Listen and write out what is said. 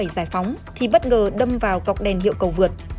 giải phóng thì bất ngờ đâm vào cọc đèn hiệu cầu vượt